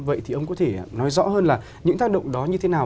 vậy thì ông có thể nói rõ hơn là những tác động đó như thế nào